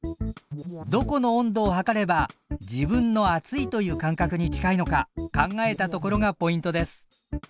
どこの温度を測れば自分の暑いという感覚に近いのか考えたところがポイントです。